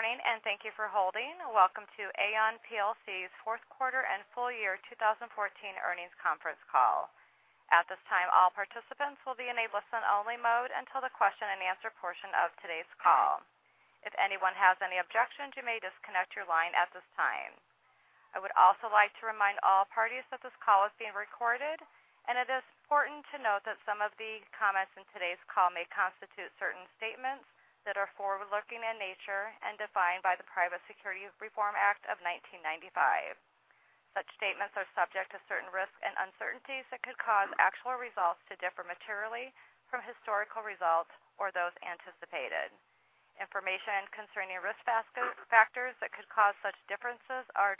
Good morning, and thank you for holding. Welcome to Aon plc's fourth quarter and full year 2014 earnings conference call. At this time, all participants will be in a listen-only mode until the question and answer portion of today's call. If anyone has any objections, you may disconnect your line at this time. I would also like to remind all parties that this call is being recorded, and it is important to note that some of the comments in today's call may constitute certain statements that are forward-looking in nature and defined by the Private Securities Litigation Reform Act of 1995. Such statements are subject to certain risks and uncertainties that could cause actual results to differ materially from historical results or those anticipated. Information concerning risk factors that could cause such differences are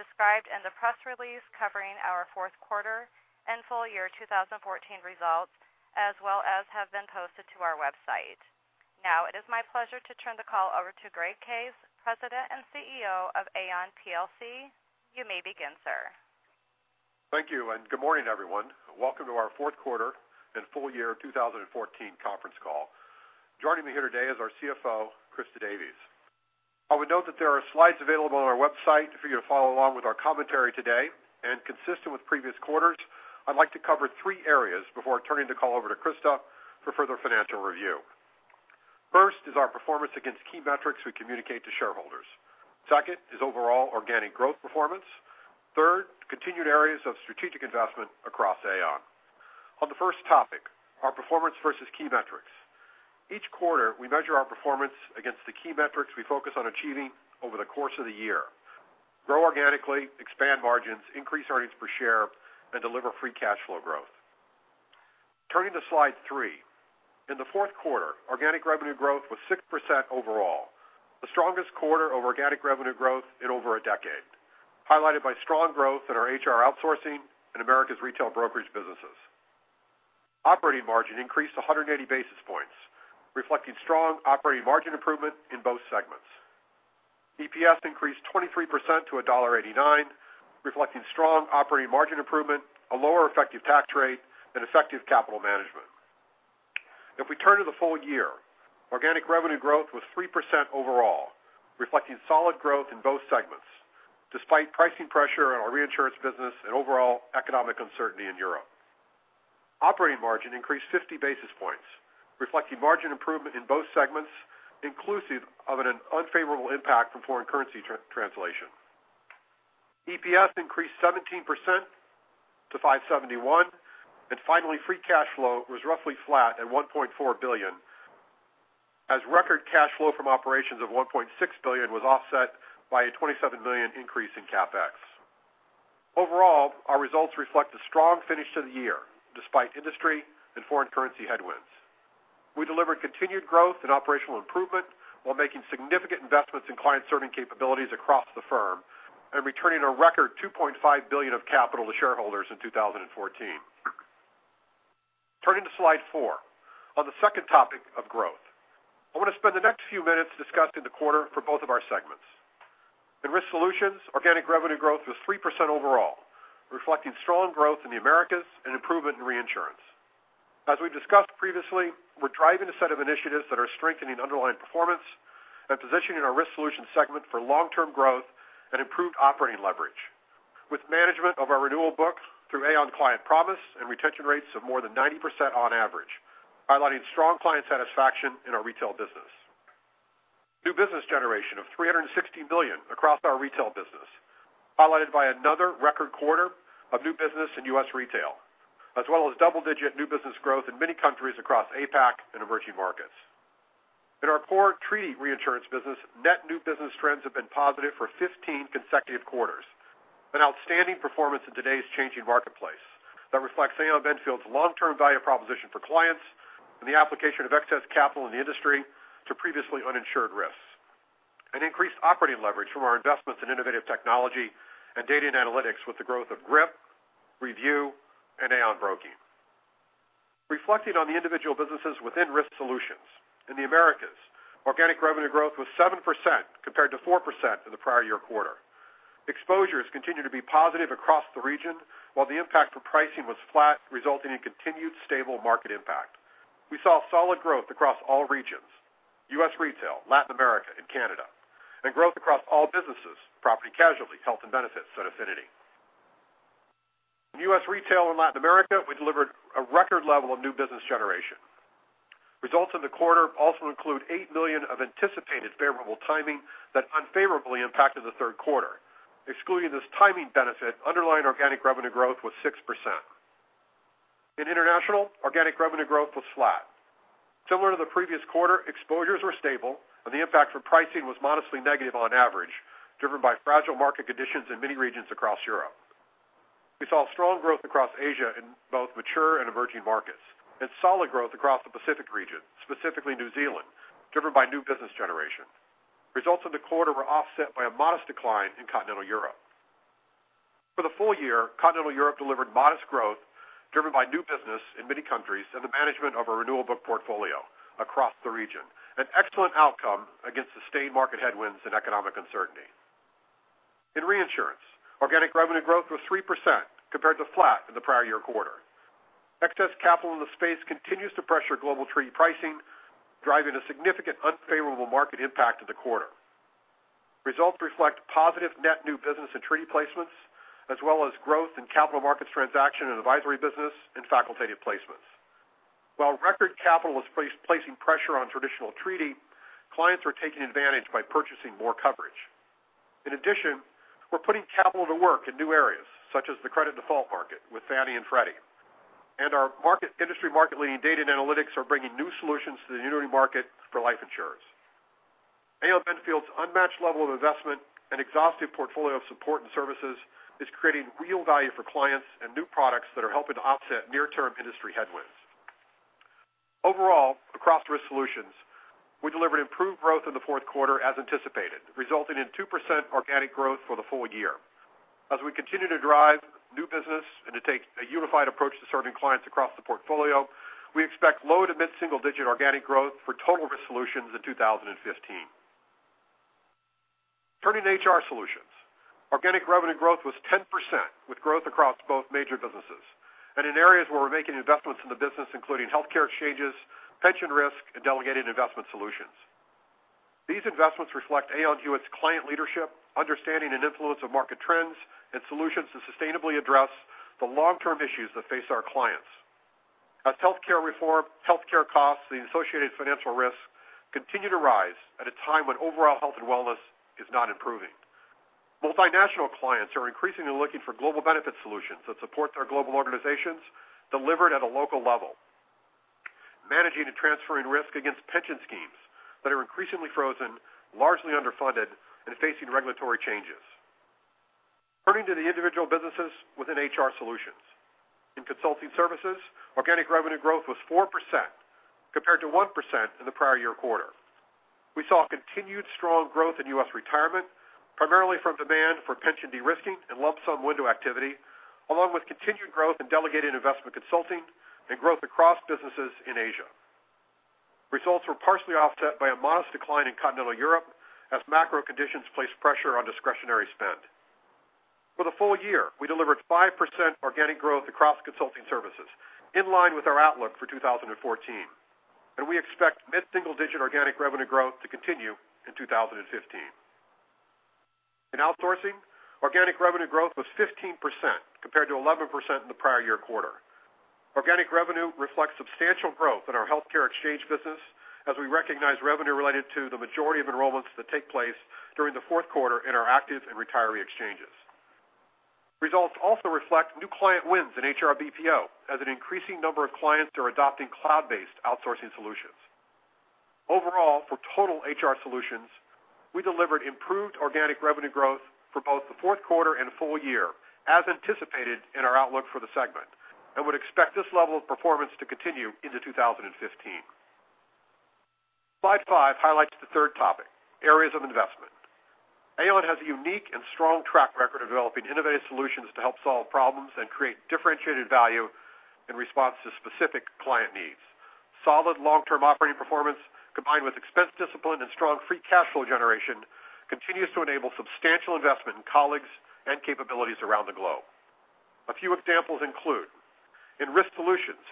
described in the press release covering our fourth quarter and full year 2014 results, as well as have been posted to our website. Now it is my pleasure to turn the call over to Greg Case, President and CEO of Aon plc. You may begin, sir. Thank you, and good morning, everyone. Welcome to our fourth quarter and full year 2014 conference call. Joining me here today is our CFO, Christa Davies. I would note that there are slides available on our website for you to follow along with our commentary today. Consistent with previous quarters, I'd like to cover three areas before turning the call over to Christa for further financial review. First is our performance against key metrics we communicate to shareholders. Second is overall organic growth performance. Third, continued areas of strategic investment across Aon. On the first topic, our performance versus key metrics. Each quarter, we measure our performance against the key metrics we focus on achieving over the course of the year. Grow organically, expand margins, increase earnings per share, and deliver free cash flow growth. Turning to slide three. In the fourth quarter, organic revenue growth was 6% overall, the strongest quarter of organic revenue growth in over a decade, highlighted by strong growth in our HR outsourcing and U.S. Retail brokerage businesses. Operating margin increased 180 basis points, reflecting strong operating margin improvement in both segments. EPS increased 23% to $1.89, reflecting strong operating margin improvement, a lower effective tax rate, and effective capital management. If we turn to the full year, organic revenue growth was 3% overall, reflecting solid growth in both segments, despite pricing pressure in our reinsurance business and overall economic uncertainty in Europe. Operating margin increased 50 basis points, reflecting margin improvement in both segments, inclusive of an unfavorable impact from foreign currency translation. EPS increased 17% to $571. Finally, free cash flow was roughly flat at $1.4 billion as record cash flow from operations of $1.6 billion was offset by a $27 million increase in CapEx. Overall, our results reflect a strong finish to the year, despite industry and foreign currency headwinds. We delivered continued growth and operational improvement while making significant investments in client-serving capabilities across the firm and returning a record $2.5 billion of capital to shareholders in 2014. Turning to slide four, on the second topic of growth, I want to spend the next few minutes discussing the quarter for both of our segments. In Risk Solutions, organic revenue growth was 3% overall, reflecting strong growth in the Americas and improvement in reinsurance. As we've discussed previously, we're driving a set of initiatives that are strengthening underlying performance and positioning our Risk Solutions segment for long-term growth and improved operating leverage, with management of our renewal book through Aon Client Promise and retention rates of more than 90% on average, highlighting strong client satisfaction in our retail business, new business generation of $360 million across our retail business, highlighted by another record quarter of new business in US Retail, as well as double-digit new business growth in many countries across APAC and emerging markets. In our core treaty reinsurance business, net new business trends have been positive for 15 consecutive quarters, an outstanding performance in today's changing marketplace that reflects Aon Benfield's long-term value proposition for clients and the application of excess capital in the industry to previously uninsured risks. We have an increased operating leverage from our investments in innovative technology and data and analytics with the growth of GRIP, Review, and Aon Broking. Reflecting on the individual businesses within Risk Solutions. In the Americas, organic revenue growth was 7% compared to 4% in the prior year quarter. Exposures continued to be positive across the region, while the impact for pricing was flat, resulting in continued stable market impact. We saw solid growth across all regions, US Retail, Latin America, and Canada, and growth across all businesses, Property/Casualty, health and benefits, and affinity. In US Retail and Latin America, we delivered a record level of new business generation. Results in the quarter also include $8 million of anticipated favorable timing that unfavorably impacted the third quarter. Excluding this timing benefit, underlying organic revenue growth was 6%. In international, organic revenue growth was flat. Similar to the previous quarter, exposures were stable and the impact from pricing was modestly negative on average, driven by fragile market conditions in many regions across Europe. We saw strong growth across Asia in both mature and emerging markets and solid growth across the Pacific region, specifically New Zealand, driven by new business generation. Results in the quarter were offset by a modest decline in Continental Europe. For the full year, Continental Europe delivered modest growth driven by new business in many countries and the management of our renewable portfolio across the region, an excellent outcome against the state market headwinds and economic uncertainty. In reinsurance, organic revenue growth was 3% compared to flat in the prior year quarter. Excess capital in the space continues to pressure global treaty pricing, driving a significant unfavorable market impact in the quarter. Results reflect positive net new business in treaty placements, as well as growth in capital markets transaction and advisory business in facultative placements. While record capital is placing pressure on traditional treaty, clients are taking advantage by purchasing more coverage. In addition, we're putting capital to work in new areas such as the credit default market with Fannie and Freddie. Our industry market leading data and analytics are bringing new solutions to the annuity market for life insurers. Aon Benfield's unmatched level of investment and exhaustive portfolio of support and services is creating real value for clients and new products that are helping to offset near-term industry headwinds. Overall, across Risk Solutions, we delivered improved growth in the fourth quarter as anticipated, resulting in 2% organic growth for the full year. As we continue to drive new business and to take a unified approach to serving clients across the portfolio, we expect low- to mid-single digit organic growth for total Risk Solutions in 2015. Turning to HR Solutions. Organic revenue growth was 10%, with growth across both major businesses and in areas where we're making investments in the business, including healthcare exchanges, pension risk, and delegated investment solutions. These investments reflect Aon Hewitt's client leadership, understanding and influence of market trends and solutions to sustainably address the long-term issues that face our clients. As healthcare reform, healthcare costs, the associated financial risks continue to rise at a time when overall health and wellness is not improving. Multinational clients are increasingly looking for global benefit solutions that support their global organizations delivered at a local level. Managing and transferring risk against pension schemes that are increasingly frozen, largely underfunded, and facing regulatory changes. Turning to the individual businesses within HR Solutions. In consulting services, organic revenue growth was 4% compared to 1% in the prior year quarter. We saw continued strong growth in U.S. retirement, primarily from demand for pension de-risking and lump sum window activity, along with continued growth in delegated investment consulting and growth across businesses in Asia. Results were partially offset by a modest decline in continental Europe as macro conditions placed pressure on discretionary spend. For the full year, we delivered 5% organic growth across consulting services, in line with our outlook for 2014, and we expect mid-single digit organic revenue growth to continue in 2015. In outsourcing, organic revenue growth was 15% compared to 11% in the prior year quarter. Organic revenue reflects substantial growth in our healthcare exchange business as we recognize revenue related to the majority of enrollments that take place during the fourth quarter in our active and retiree exchanges. Results also reflect new client wins in HR BPO as an increasing number of clients are adopting cloud-based outsourcing solutions. Overall, for total HR Solutions, we delivered improved organic revenue growth for both the fourth quarter and full year, as anticipated in our outlook for the segment, and would expect this level of performance to continue into 2015. Slide five highlights the third topic, areas of investment. Aon has a unique and strong track record of developing innovative solutions to help solve problems and create differentiated value in response to specific client needs. Solid long-term operating performance, combined with expense discipline and strong free cash flow generation, continues to enable substantial investment in colleagues and capabilities around the globe. A few examples include in Risk Solutions,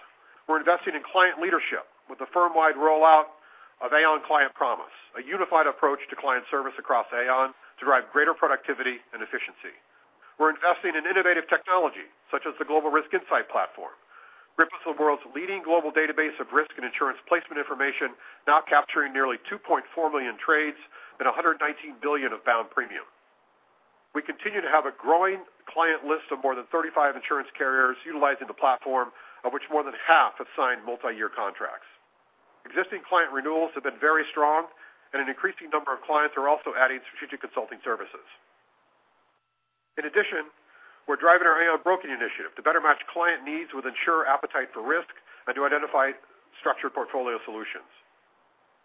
we're investing in client leadership with the firm-wide rollout of Aon Client Promise, a unified approach to client service across Aon to drive greater productivity and efficiency. We're investing in innovative technology such as the Global Risk Insight Platform, GRIP is world's leading global database of risk and insurance placement information, now capturing nearly 2.4 million trades and $119 billion of bound premium. We continue to have a growing client list of more than 35 insurance carriers utilizing the platform, of which more than half have signed multi-year contracts. Existing client renewals have been very strong, an increasing number of clients are also adding strategic consulting services. We're driving our Aon Broking initiative to better match client needs with insurer appetite for risk and to identify structured portfolio solutions.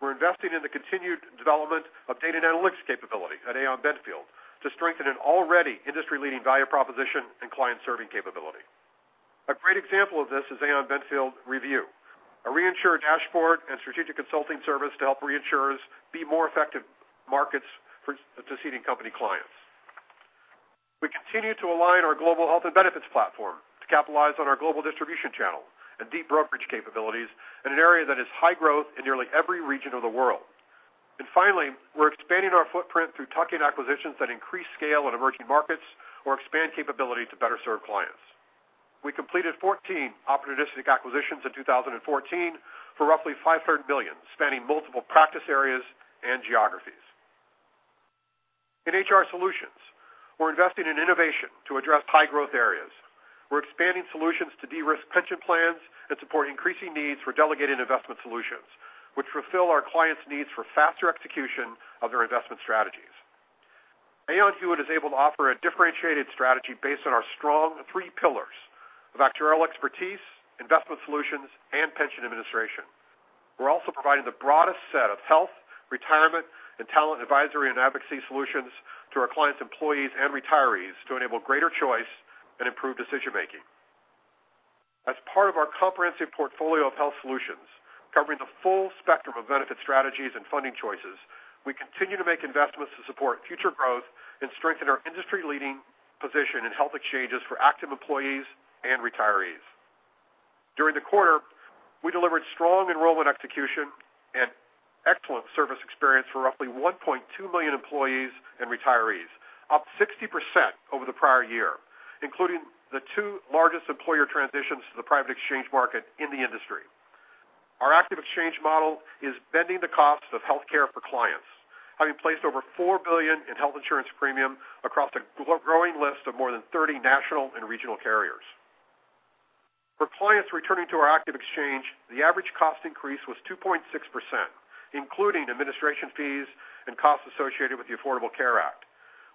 We're investing in the continued development of data and analytics capability at Aon Benfield to strengthen an already industry leading value proposition and client serving capability. A great example of this is Aon Benfield Review, a reinsurer dashboard and strategic consulting service to help reinsurers be more effective markets for succeeding company clients. We continue to align our global health and benefits platform to capitalize on our global distribution channel and deep brokerage capabilities in an area that is high growth in nearly every region of the world. Finally, we're expanding our footprint through tuck-in acquisitions that increase scale in emerging markets or expand capability to better serve clients. We completed 14 opportunistic acquisitions in 2014 for roughly $500 million, spanning multiple practice areas and geographies. In HR Solutions, we're investing in innovation to address high growth areas. We're expanding solutions to de-risk pension plans and support increasing needs for delegated investment solutions, which fulfill our clients' needs for faster execution of their investment strategies. Aon Hewitt is able to offer a differentiated strategy based on our strong three pillars of actuarial expertise, investment solutions and pension administration. We're also providing the broadest set of health, retirement, and talent advisory and advocacy solutions to our clients' employees and retirees to enable greater choice and improved decision making. As part of our comprehensive portfolio of health solutions covering the full spectrum of benefit strategies and funding choices, we continue to make investments to support future growth and strengthen our industry-leading position in health exchanges for active employees and retirees. During the quarter, we delivered strong enrollment execution and excellent service experience for roughly 1.2 million employees and retirees, up 60% over the prior year, including the two largest employer transitions to the private exchange market in the industry. Our active exchange model is bending the cost of healthcare for clients, having placed over $4 billion in health insurance premium across a growing list of more than 30 national and regional carriers. For clients returning to our active exchange, the average cost increase was 2.6%, including administration fees and costs associated with the Affordable Care Act,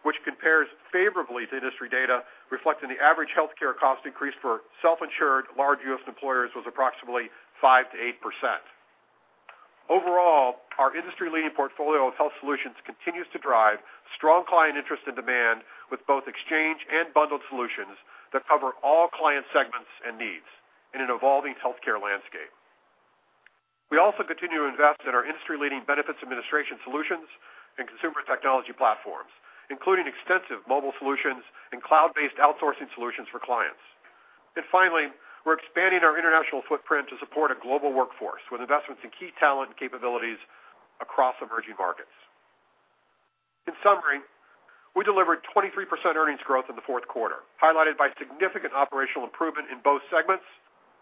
which compares favorably to industry data reflecting the average healthcare cost increase for self-insured large U.S. employers was approximately 5%-8%. Overall, our industry-leading portfolio of health solutions continues to drive strong client interest and demand with both exchange and bundled solutions that cover all client segments and needs in an evolving healthcare landscape. We also continue to invest in our industry-leading benefits administration solutions and consumer technology platforms, including extensive mobile solutions and cloud-based outsourcing solutions for clients. Finally, we're expanding our international footprint to support a global workforce with investments in key talent and capabilities across emerging markets. In summary, we delivered 23% earnings growth in the fourth quarter, highlighted by significant operational improvement in both segments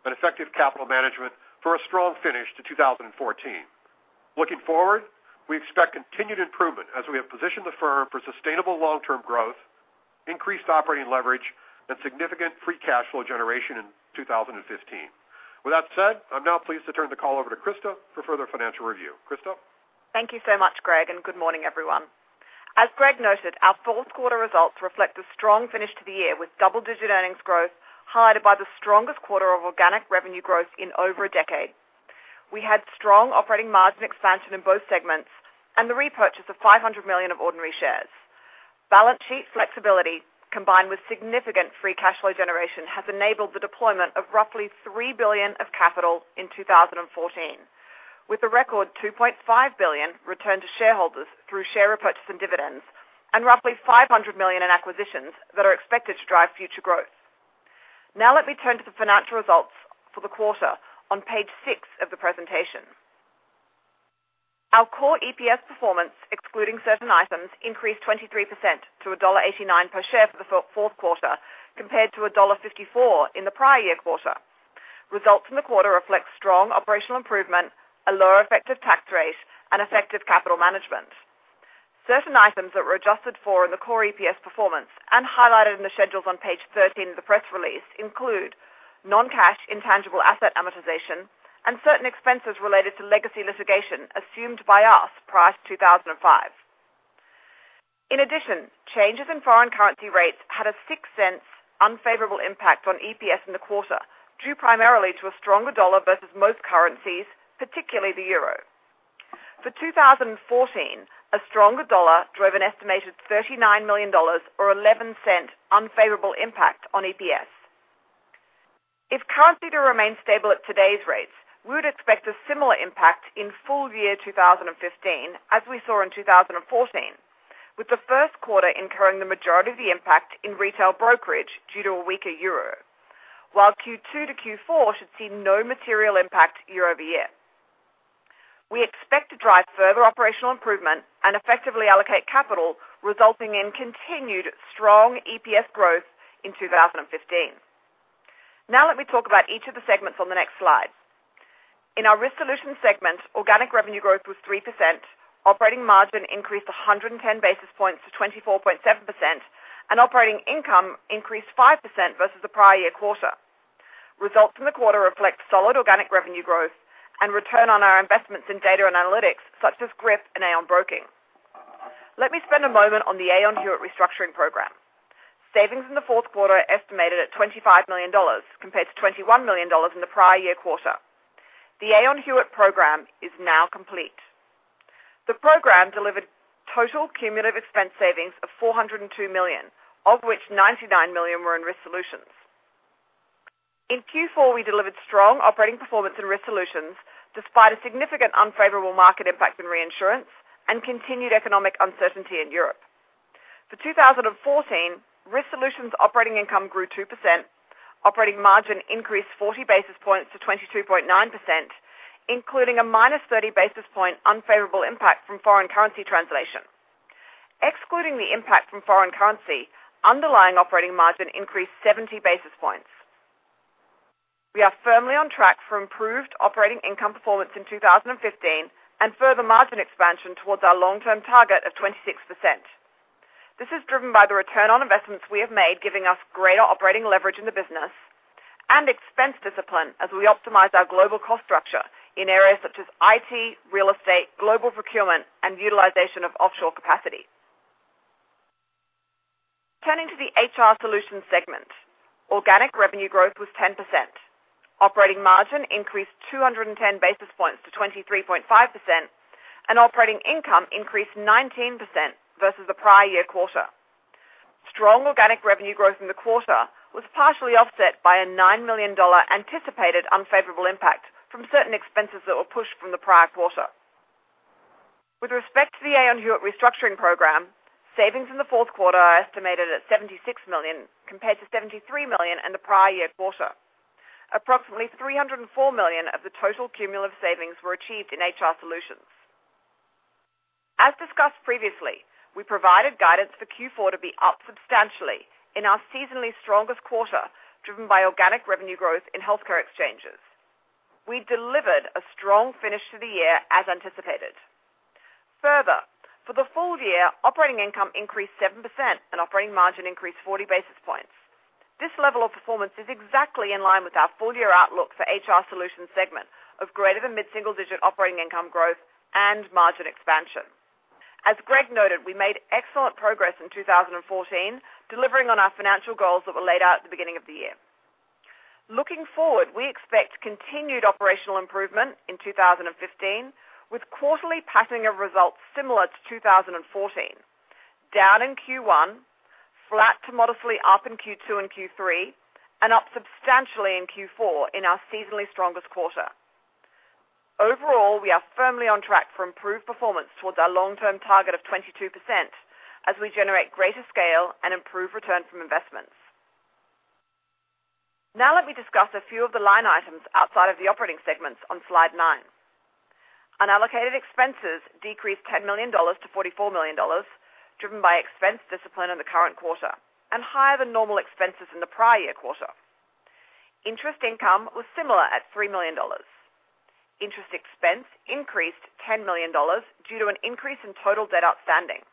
and effective capital management for a strong finish to 2014. Looking forward, we expect continued improvement as we have positioned the firm for sustainable long-term growth, increased operating leverage, and significant free cash flow generation in 2015. With that said, I'm now pleased to turn the call over to Krista for further financial review. Krista? Thank you so much, Greg, and good morning, everyone. As Greg noted, our fourth quarter results reflect a strong finish to the year with double-digit earnings growth highlighted by the strongest quarter of organic revenue growth in over a decade. We had strong operating margin expansion in both segments and the repurchase of $500 million of ordinary shares. Balance sheet flexibility, combined with significant free cash flow generation, has enabled the deployment of roughly $3 billion of capital in 2014. With a record $2.5 billion returned to shareholders through share repurchase and dividends, and roughly $500 million in acquisitions that are expected to drive future growth. Now let me turn to the financial results for the quarter on page six of the presentation. Our core EPS performance, excluding certain items, increased 23% to $1.89 per share for the fourth quarter, compared to $1.54 in the prior year quarter. Results from the quarter reflect strong operational improvement, a lower effective tax rate, effective capital management. Certain items that were adjusted for in the core EPS performance and highlighted in the schedules on page 13 of the press release include non-cash intangible asset amortization and certain expenses related to legacy litigation assumed by us prior to 2005. In addition, changes in foreign currency rates had a $0.06 unfavorable impact on EPS in the quarter, due primarily to a stronger dollar versus most currencies, particularly the euro. For 2014, a stronger dollar drove an estimated $39 million or $0.11 unfavorable impact on EPS. If currency were to remain stable at today's rates, we would expect a similar impact in full year 2015 as we saw in 2014, with the first quarter incurring the majority of the impact in retail brokerage due to a weaker euro. While Q2 to Q4 should see no material impact year-over-year. We expect to drive further operational improvement and effectively allocate capital, resulting in continued strong EPS growth in 2015. Let me talk about each of the segments on the next slide. In our Risk Solutions Segment, organic revenue growth was 3%, operating margin increased 110 basis points to 24.7%, and operating income increased 5% versus the prior year quarter. Results from the quarter reflect solid organic revenue growth and return on our investments in data and analytics such as GRIP and Aon Broking. Let me spend a moment on the Aon Hewitt restructuring plan. Savings in the fourth quarter are estimated at $25 million, compared to $21 million in the prior year quarter. The Aon Hewitt program is now complete. The program delivered total cumulative expense savings of $402 million, of which $99 million were in Risk Solutions. In Q4, we delivered strong operating performance in Risk Solutions, despite a significant unfavorable market impact in reinsurance and continued economic uncertainty in Europe. For 2014, Risk Solutions operating income grew 2%, operating margin increased 40 basis points to 22.9%, including a -30 basis point unfavorable impact from foreign currency translation. Excluding the impact from foreign currency, underlying operating margin increased 70 basis points. We are firmly on track for improved operating income performance in 2015 and further margin expansion towards our long-term target of 26%. This is driven by the return on investments we have made, giving us greater operating leverage in the business and expense discipline as we optimize our global cost structure in areas such as IT, real estate, global procurement, and utilization of offshore capacity. Turning to the HR Solutions Segment, organic revenue growth was 10%, operating margin increased 210 basis points to 23.5%, and operating income increased 19% versus the prior year quarter. Strong organic revenue growth in the quarter was partially offset by a $9 million anticipated unfavorable impact from certain expenses that were pushed from the prior quarter. With respect to the Aon Hewitt restructuring plan, savings in the fourth quarter are estimated at $76 million compared to $73 million in the prior year quarter. Approximately $304 million of the total cumulative savings were achieved in HR Solutions. As discussed previously, we provided guidance for Q4 to be up substantially in our seasonally strongest quarter, driven by organic revenue growth in healthcare exchanges. We delivered a strong finish to the year as anticipated. For the full year, operating income increased 7% and operating margin increased 40 basis points. This level of performance is exactly in line with our full-year outlook for HR Solutions Segment of greater than mid-single-digit operating income growth and margin expansion. As Greg noted, we made excellent progress in 2014, delivering on our financial goals that were laid out at the beginning of the year. Looking forward, we expect continued operational improvement in 2015, with quarterly patterning of results similar to 2014, down in Q1, flat to modestly up in Q2 and Q3, and up substantially in Q4 in our seasonally strongest quarter. Overall, we are firmly on track for improved performance towards our long-term target of 22% as we generate greater scale and improve return from investments. Let me discuss a few of the line items outside of the operating segments on slide nine. Unallocated expenses decreased $10 million to $44 million, driven by expense discipline in the current quarter and higher than normal expenses in the prior year quarter. Interest income was similar at $3 million. Interest expense increased $10 million due to an increase in total debt outstanding.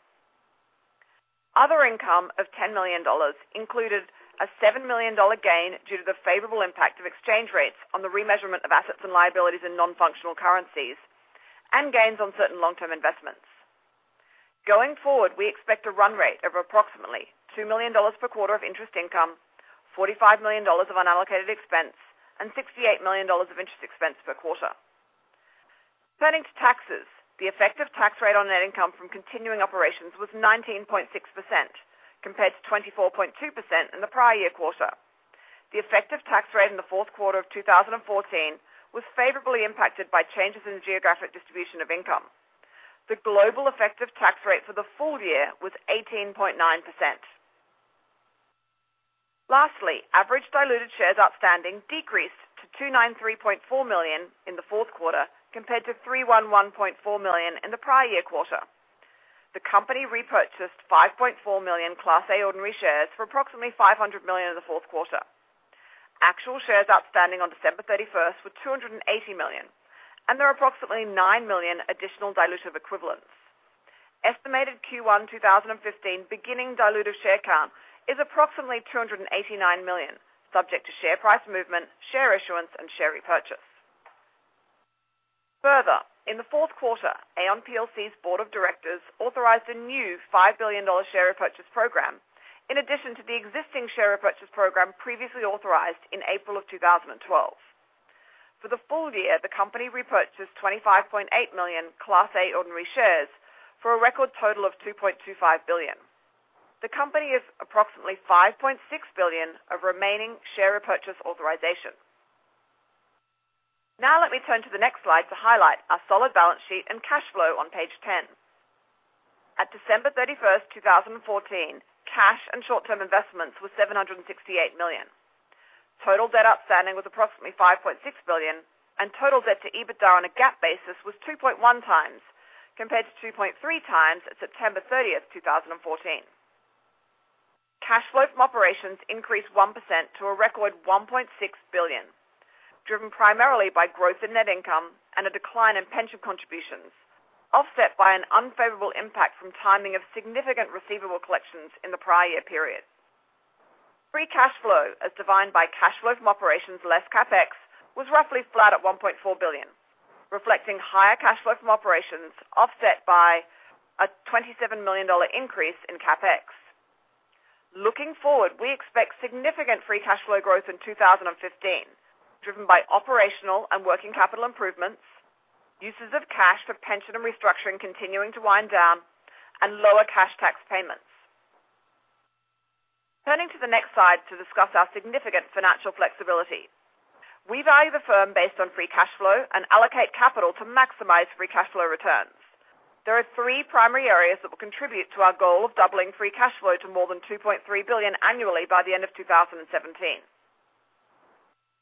Other income of $10 million included a $7 million gain due to the favorable impact of exchange rates on the remeasurement of assets and liabilities in non-functional currencies and gains on certain long-term investments. Going forward, we expect a run rate of approximately $2 million per quarter of interest income, $45 million of unallocated expense, and $68 million of interest expense per quarter. Turning to taxes, the effective tax rate on net income from continuing operations was 19.6% compared to 24.2% in the prior year quarter. The effective tax rate in the fourth quarter of 2014 was favorably impacted by changes in geographic distribution of income. The global effective tax rate for the full year was 18.9%. Lastly, average diluted shares outstanding decreased to 293.4 million in the fourth quarter, compared to 311.4 million in the prior year quarter. The company repurchased 5.4 million Class A ordinary shares for approximately $500 million in the fourth quarter. Actual shares outstanding on December 31st were 280 million, and there are approximately nine million additional dilutive equivalents. Estimated Q1 2015 beginning dilutive share count is approximately 289 million, subject to share price movement, share issuance, and share repurchase. In the fourth quarter, Aon plc's board of directors authorized a new $5 billion share repurchase program in addition to the existing share repurchase program previously authorized in April of 2012. For the full year, the company repurchased 25.8 million Class A ordinary shares for a record total of $2.25 billion. The company has approximately $5.6 billion of remaining share repurchase authorization. Let me turn to the next slide to highlight our solid balance sheet and cash flow on page 10. At December 31st, 2014, cash and short-term investments were $768 million. Total debt outstanding was approximately $5.6 billion, and total debt to EBITDA on a GAAP basis was 2.1 times, compared to 2.3 times at September 30th, 2014. Cash flow from operations increased 1% to a record $1.6 billion, driven primarily by growth in net income and a decline in pension contributions, offset by an unfavorable impact from timing of significant receivable collections in the prior year period. Free cash flow, as defined by cash flow from operations less CapEx, was roughly flat at $1.4 billion, reflecting higher cash flow from operations offset by a $27 million increase in CapEx. Looking forward, we expect significant free cash flow growth in 2015, driven by operational and working capital improvements, uses of cash for pension and restructuring continuing to wind down, and lower cash tax payments. Turning to the next slide to discuss our significant financial flexibility. We value the firm based on free cash flow and allocate capital to maximize free cash flow returns. There are three primary areas that will contribute to our goal of doubling free cash flow to more than $2.3 billion annually by the end of 2017.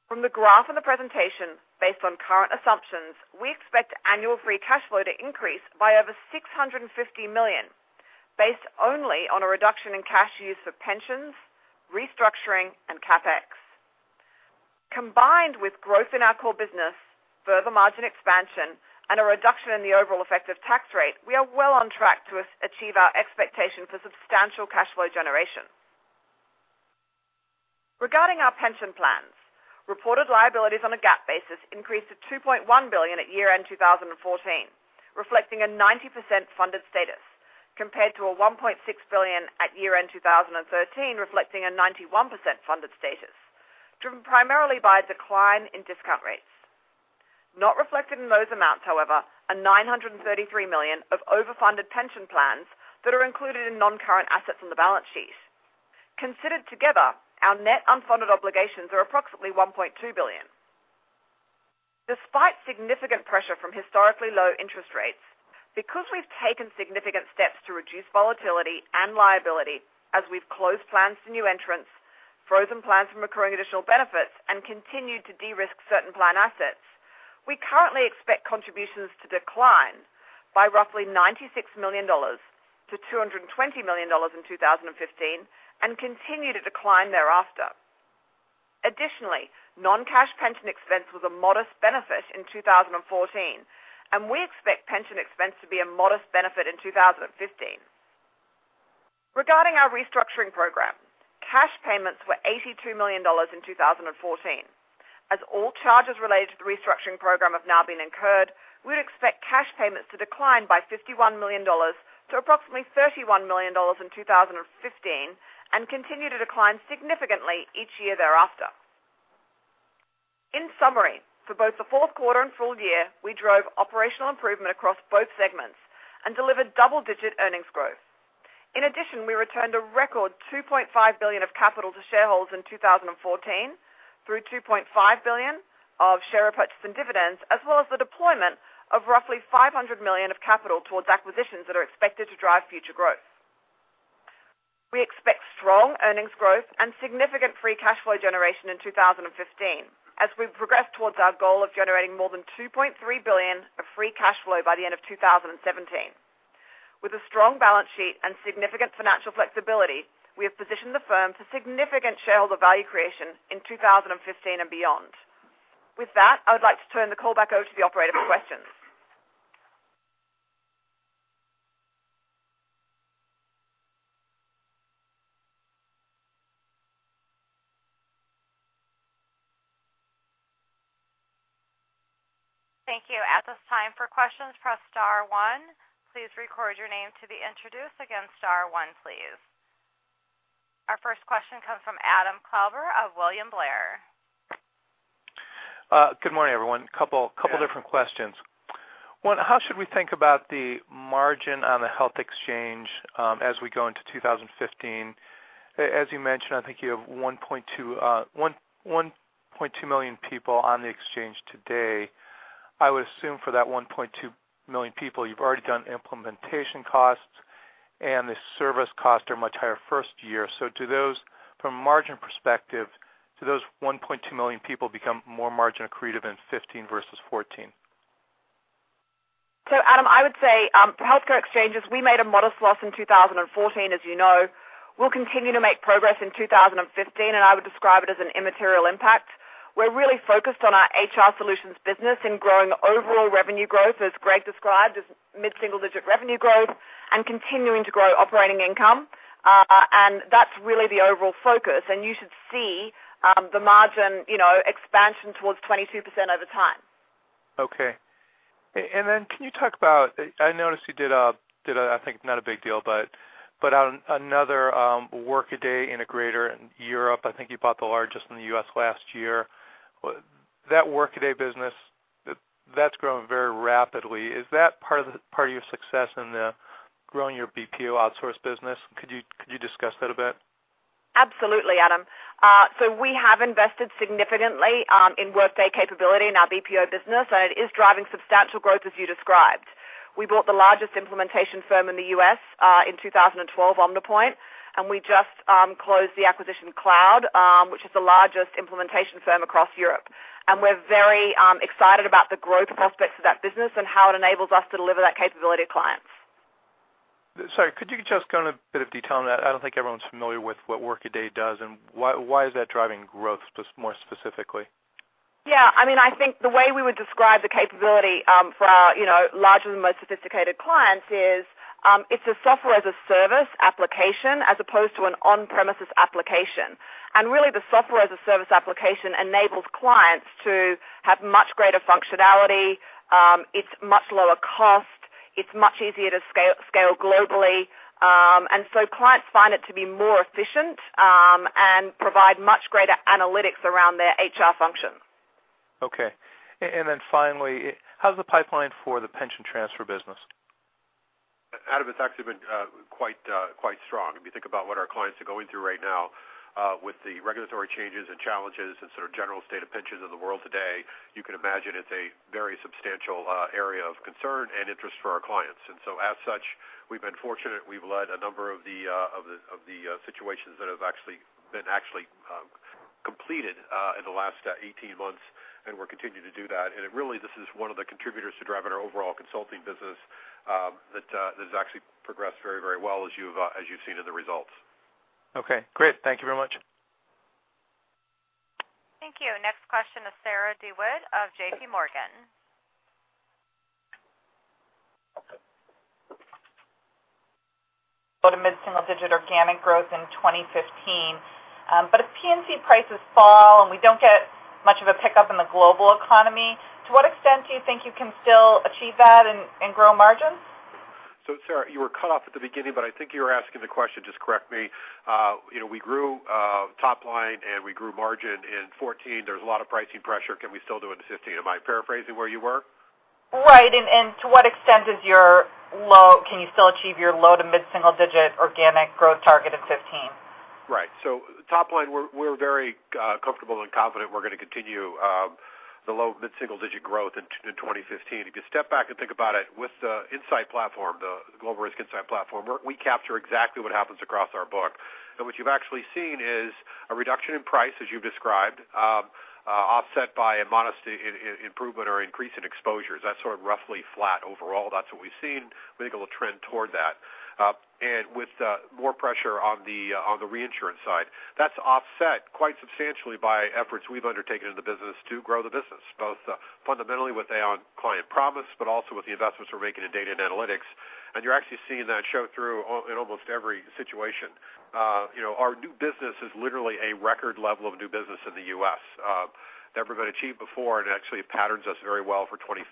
From the graph in the presentation, based on current assumptions, we expect annual free cash flow to increase by over $650 million based only on a reduction in cash used for pensions, restructuring, and CapEx. Combined with growth in our core business, further margin expansion, and a reduction in the overall effective tax rate, we are well on track to achieve our expectation for substantial cash flow generation. Regarding our pension plans, reported liabilities on a GAAP basis increased to $2.1 billion at year-end 2014, reflecting a 90% funded status, compared to $1.6 billion at year-end 2013, reflecting a 91% funded status, driven primarily by a decline in discount rates. Not reflected in those amounts, however, are $933 million of overfunded pension plans that are included in non-current assets on the balance sheet. Considered together, our net unfunded obligations are approximately $1.2 billion. Despite significant pressure from historically low interest rates, because we've taken significant steps to reduce volatility and liability as we've closed plans to new entrants, frozen plans from accruing additional benefits, and continued to de-risk certain plan assets, we currently expect contributions to decline by roughly $96 million-$220 million in 2015 and continue to decline thereafter. Additionally, non-cash pension expense was a modest benefit in 2014, and we expect pension expense to be a modest benefit in 2015. Regarding our restructuring program, cash payments were $82 million in 2014. All charges related to the restructuring program have now been incurred, we would expect cash payments to decline by $51 million to approximately $31 million in 2015 and continue to decline significantly each year thereafter. In summary, for both the fourth quarter and full year, we drove operational improvement across both segments and delivered double-digit earnings growth. In addition, we returned a record $2.5 billion of capital to shareholders in 2014 through $2.5 billion of share repurchase and dividends, as well as the deployment of roughly $500 million of capital towards acquisitions that are expected to drive future growth. We expect strong earnings growth and significant free cash flow generation in 2015 as we progress towards our goal of generating more than $2.3 billion of free cash flow by the end of 2017. With a strong balance sheet and significant financial flexibility, we have positioned the firm for significant shareholder value creation in 2015 and beyond. With that, I would like to turn the call back over to the operator for questions. Thank you. At this time for questions, press star one. Please record your name to be introduced. Again, star one, please. Our first question comes from Adam Klauber of William Blair. Good morning, everyone. Couple different questions. One, how should we think about the margin on the health exchange as we go into 2015? As you mentioned, I think you have 1.2 million people on the exchange today. I would assume for that 1.2 million people, you've already done implementation costs, and the service costs are much higher first year. From a margin perspective, do those 1.2 million people become more margin accretive in 2015 versus 2014? Adam, I would say for healthcare exchanges, we made a modest loss in 2014, as you know. We'll continue to make progress in 2015, and I would describe it as an immaterial impact. We're really focused on our HR Solutions business and growing overall revenue growth, as Greg described, as mid-single digit revenue growth and continuing to grow operating income. That's really the overall focus, and you should see the margin expansion towards 22% over time. Okay. Then can you talk about, I noticed you did, I think not a big deal, but another Workday integrator in Europe. I think you bought the largest in the U.S. last year. That Workday business, that's growing very rapidly. Is that part of your success in growing your BPO outsource business? Could you discuss that a bit? Absolutely, Adam. We have invested significantly in Workday capability in our BPO business, and it is driving substantial growth, as you described. We bought the largest implementation firm in the U.S. in 2012, Omnipoint, and we just closed the acquisition Kloud, which is the largest implementation firm across Europe. We're very excited about the growth prospects of that business and how it enables us to deliver that capability to clients. Sorry, could you just go in a bit of detail on that? I don't think everyone's familiar with what Workday does. Why is that driving growth more specifically? Yeah. I think the way we would describe the capability for our larger and more sophisticated clients is it's a software as a service application as opposed to an on-premises application. Really, the software as a service application enables clients to have much greater functionality. It's much lower cost. It's much easier to scale globally. Clients find it to be more efficient and provide much greater analytics around their HR functions. Okay. Finally, how's the pipeline for the pension transfer business? Adam, it's actually been quite strong. If you think about what our clients are going through right now with the regulatory changes and challenges and sort of general state of pensions in the world today, you can imagine it's a very substantial area of concern and interest for our clients. As such, we've been fortunate. We've led a number of the situations that have been actually completed in the last 18 months, and we're continuing to do that. Really, this is one of the contributors to driving our overall consulting business that has actually progressed very well, as you've seen in the results. Okay, great. Thank you very much. Thank you. Next question is Sarah DeWitt of JPMorgan. Go to mid-single digit organic growth in 2015. If P&C prices fall and we don't get much of a pickup in the global economy, to what extent do you think you can still achieve that and grow margins? Sarah, you were cut off at the beginning, but I think you were asking the question, just correct me. We grew top line and we grew margin in 2014. There's a lot of pricing pressure. Can we still do it in 2015? Am I paraphrasing where you were? Right. To what extent can you still achieve your low to mid-single digit organic growth target in 2015? Right. Top line, we're very comfortable and confident we're going to continue the low modest single digit growth in 2015. If you step back and think about it with the insight platform, the Global Risk Insight Platform, we capture exactly what happens across our book. What you've actually seen is a reduction in price, as you've described, offset by a modest improvement or increase in exposures. That's sort of roughly flat overall. That's what we've seen. I think it'll trend toward that. With more pressure on the reinsurance side. That's offset quite substantially by efforts we've undertaken in the business to grow the business, both fundamentally with Aon Client Promise, but also with the investments we're making in data and analytics. You're actually seeing that show through in almost every situation. Our new business is literally a record level of new business in the U.S., never been achieved before, and it actually patterns us very well for 2015.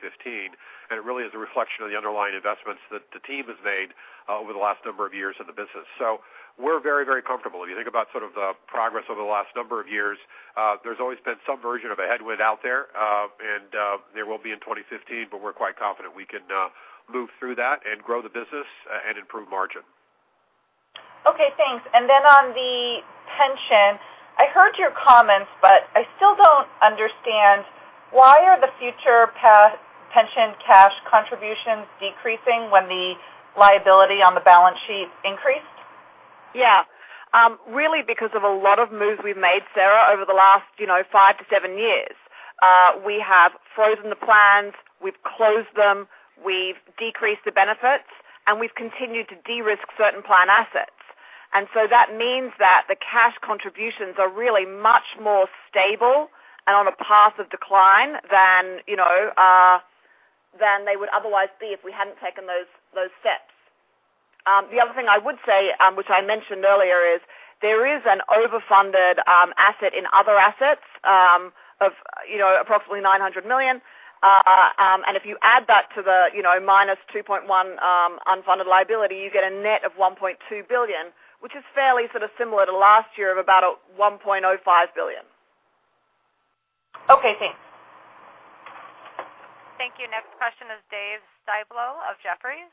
It really is a reflection of the underlying investments that the team has made over the last number of years in the business. We're very, very comfortable. If you think about sort of the progress over the last number of years, there's always been some version of a headwind out there. There will be in 2015, but we're quite confident we can move through that and grow the business and improve margin. Okay, thanks. Then on the pension, I heard your comments, but I still don't understand why are the future pension cash contributions decreasing when the liability on the balance sheet increased? Yeah. Really because of a lot of moves we've made, Sarah, over the last five to seven years. We have frozen the plans, we've closed them, we've decreased the benefits, and we've continued to de-risk certain plan assets. That means that the cash contributions are really much more stable and on a path of decline than they would otherwise be if we hadn't taken those steps. The other thing I would say, which I mentioned earlier, is there is an overfunded asset in other assets of approximately $900 million. If you add that to the minus $2.1 billion unfunded liability, you get a net of $1.2 billion, which is fairly sort of similar to last year of about $1.05 billion. Okay, thanks. Thank you. Next question is Dave Styblo of Jefferies.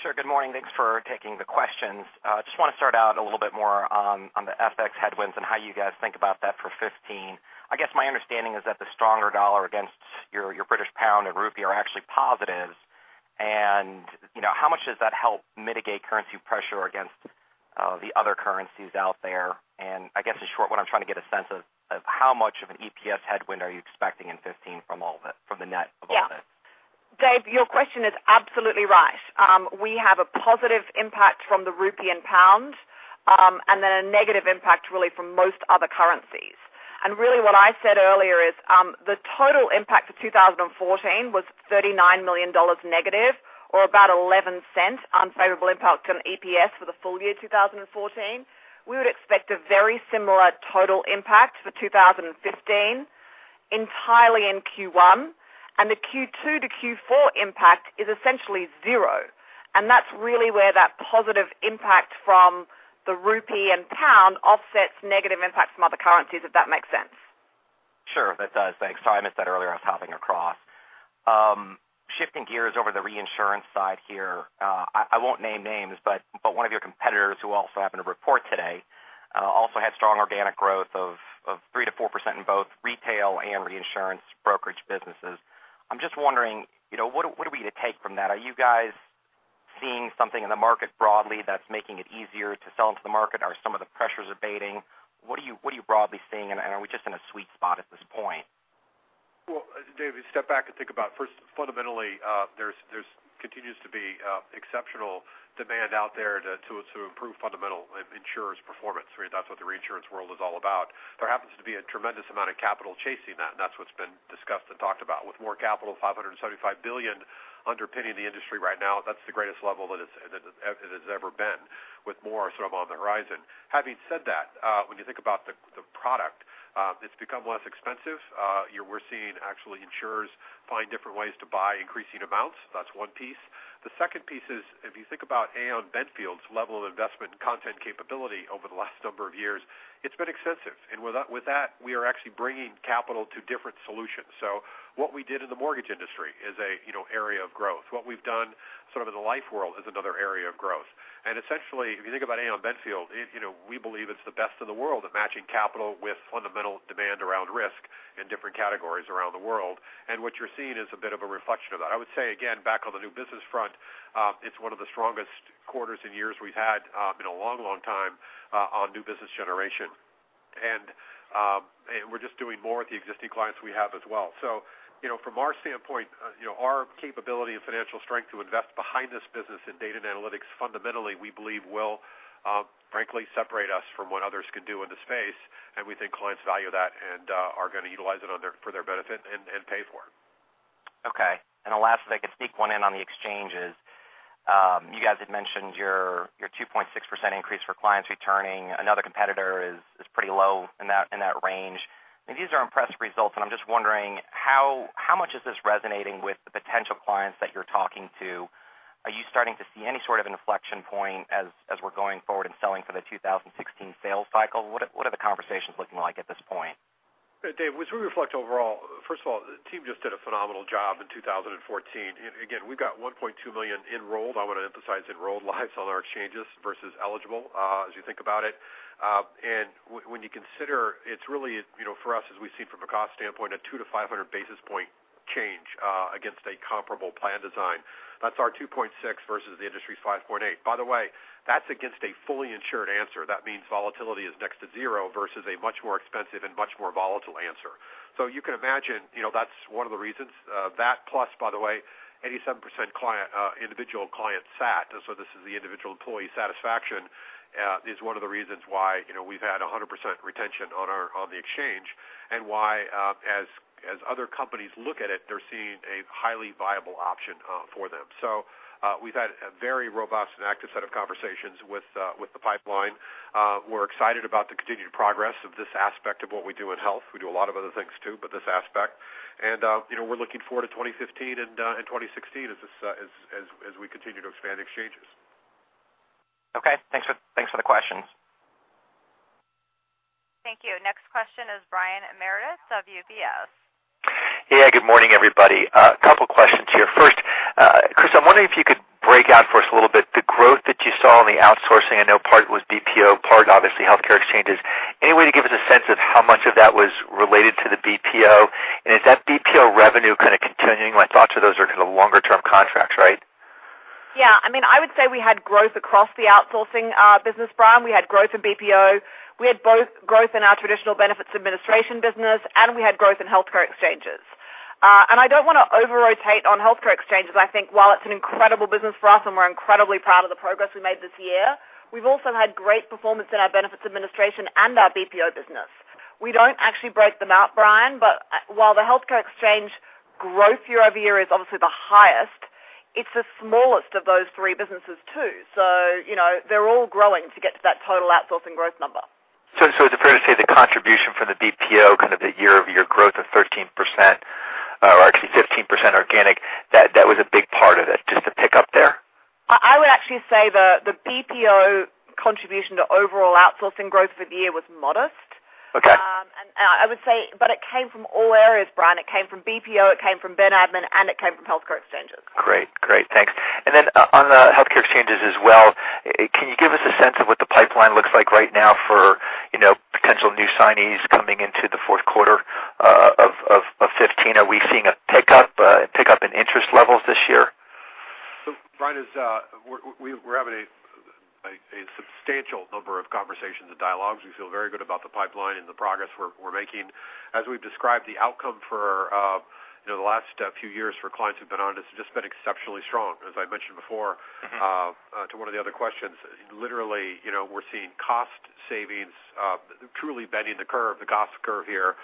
Sure. Good morning. Thanks for taking the questions. Just want to start out a little bit more on the FX headwinds and how you guys think about that for 2015. I guess my understanding is that the stronger dollar against your GBP and INR are actually positives. How much does that help mitigate currency pressure against the other currencies out there? I guess in short, what I'm trying to get a sense of how much of an EPS headwind are you expecting in 2015 from the net of all this? Yeah. Dave, your question is absolutely right. We have a positive impact from the INR and GBP, then a negative impact really from most other currencies. Really what I said earlier is the total impact for 2014 was $39 million negative or about $0.11 unfavorable impact on EPS for the full year 2014. We would expect a very similar total impact for 2015 entirely in Q1, the Q2 to Q4 impact is essentially zero. That's really where that positive impact from the INR and GBP offsets negative impacts from other currencies, if that makes sense. Sure, that does. Thanks. Sorry I missed that earlier. I was hopping across. Shifting gears over the reinsurance side here. I won't name names, but one of your competitors who also happened to report today also had strong organic growth of 3%-4% in both retail and reinsurance brokerage businesses. I'm just wondering, what are we to take from that? Are you guys seeing something in the market broadly that's making it easier to sell into the market, or some of the pressures are abating? What are you broadly seeing, and are we just in a sweet spot at this point? Well, Dave, step back and think about first, fundamentally, there continues to be exceptional demand out there to improve fundamental insurers' performance. That's what the reinsurance world is all about. There happens to be a tremendous amount of capital chasing that's what's been discussed and talked about. With more capital, $575 billion underpinning the industry right now. That's the greatest level that it has ever been with more sort of on the horizon. Having said that, when you think about the product it's become less expensive. We're seeing actually insurers find different ways to buy increasing amounts. That's one piece. The second piece is, if you think about Aon Benfield's level of investment content capability over the last number of years, it's been extensive. With that, we are actually bringing capital to different solutions. What we did in the mortgage industry is a area of growth. What we've done sort of in the life world is another area of growth. Essentially, if you think about Aon Benfield we believe it's the best in the world at matching capital with fundamental demand around risk in different categories around the world. What you're seeing is a bit of a reflection of that. I would say, again, back on the new business front it's one of the strongest quarters and years we've had in a long, long time on new business generation. We're just doing more with the existing clients we have as well. From our standpoint our capability and financial strength to invest behind this business in data and analytics, fundamentally, we believe will frankly separate us from what others can do in the space. We think clients value that and are going to utilize it for their benefit and pay for it. Lastly, if I could sneak one in on the exchanges. You guys had mentioned your 2.6% increase for clients returning. Another competitor is pretty low in that range. These are impressive results, I'm just wondering how much is this resonating with the potential clients that you're talking to? Are you starting to see any sort of inflection point as we're going forward and selling for the 2016 sales cycle? What are the conversations looking like at this point? Dave, as we reflect overall, first of all, the team just did a phenomenal job in 2014. Again, we've got 1.2 million enrolled. I want to emphasize enrolled lives on our exchanges versus eligible, as you think about it. When you consider it's really, for us, as we've seen from a cost standpoint, a 200 to 500 basis point change, against a comparable plan design. That's our 2.6% versus the industry's 5.8%. By the way, that's against a fully insured answer. That means volatility is next to zero versus a much more expensive and much more volatile answer. You can imagine, that's one of the reasons. That plus, by the way, 87% individual client sat, this is the individual employee satisfaction, is one of the reasons why we've had 100% retention on the exchange and why, as other companies look at it, they're seeing a highly viable option for them. We've had a very robust and active set of conversations with the pipeline. We're excited about the continued progress of this aspect of what we do in health. We do a lot of other things too, but this aspect. We're looking forward to 2015 and 2016 as we continue to expand the exchanges. Okay. Thanks for the question. Thank you. Next question is Brian Meredith, UBS. Yeah. Good morning, everybody. A couple questions here. First, Christa, I'm wondering if you could break out for us a little bit the growth that you saw in the outsourcing. I know part was BPO, part obviously healthcare exchanges. Any way to give us a sense of how much of that was related to the BPO, and is that BPO revenue kind of continuing? My thoughts are those are kind of longer-term contracts, right? Yeah. I would say we had growth across the outsourcing business, Brian. We had growth in BPO. We had both growth in our traditional benefits administration business, and we had growth in healthcare exchanges. I don't want to over-rotate on healthcare exchanges. I think while it's an incredible business for us and we're incredibly proud of the progress we made this year, we've also had great performance in our benefits administration and our BPO business. We don't actually break them out, Brian. While the healthcare exchange growth year-over-year is obviously the highest, it's the smallest of those three businesses too. They're all growing to get to that total outsourcing growth number. Is it fair to say the contribution from the BPO, kind of the year-over-year growth of 13% or actually 15% organic, that was a big part of it, just the pickup there? I would actually say the BPO contribution to overall outsourcing growth for the year was modest. Okay. It came from all areas, Brian. It came from BPO, it came from Ben Admin, and it came from healthcare exchanges. Great. Thanks. On the healthcare exchanges as well, can you give us a sense of what the pipeline looks like right now for potential new signees coming into the fourth quarter of 2015? Are we seeing a pickup in interest levels this year? Brian, we're having a substantial number of conversations and dialogues. We feel very good about the pipeline and the progress we're making. As we've described the outcome for the last few years for clients who've been on, it's just been exceptionally strong. As I mentioned before, to one of the other questions, literally, we're seeing cost savings, truly bending the curve, the cost curve here,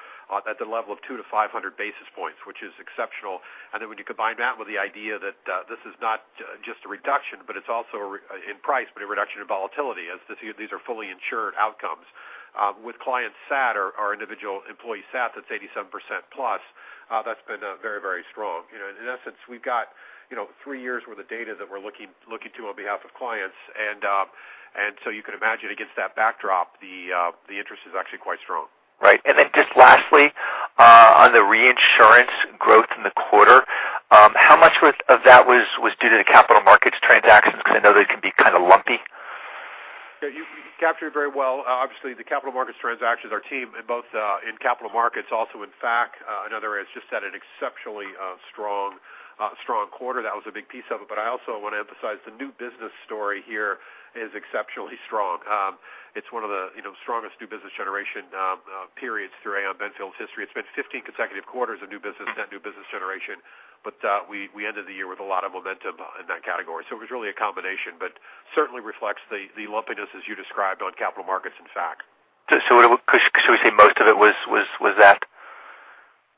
at the level of 200 to 500 basis points, which is exceptional. When you combine that with the idea that this is not just a reduction in price, but a reduction in volatility, as these are fully insured outcomes. With client sat, our individual employee sat, that's 87%+. That's been very strong. In essence, we've got three years worth of data that we're looking to on behalf of clients. You can imagine against that backdrop, the interest is actually quite strong. Right. Just lastly, on the reinsurance growth in the quarter, how much of that was due to the capital markets transactions? Because I know they can be kind of lumpy. Yeah, you captured it very well. Obviously, the capital markets transactions, our team in both capital markets, also in FAC. In other words, just had an exceptionally strong quarter. That was a big piece of it. I also want to emphasize the new business story here is exceptionally strong. It's one of the strongest new business generation periods through Aon Benfield's history. It's been 15 consecutive quarters of new business generation. We ended the year with a lot of momentum in that category. It was really a combination, certainly reflects the lumpiness as you described on capital markets and FAC. Should we say most of it was that?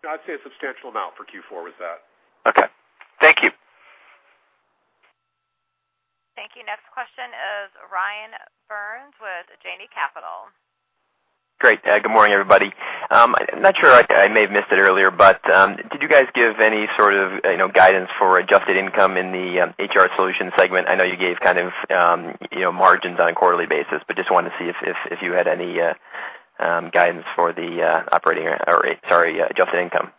No, I'd say a substantial amount for Q4 was that. Okay. Thank you. Thank you. Next question is Ryan Burns with JD Capital. Great. Good morning, everybody. I'm not sure, I may have missed it earlier, did you guys give any sort of guidance for adjusted income in the HR Solutions segment? I know you gave margins on a quarterly basis, just wanted to see if you had any guidance for the adjusted income.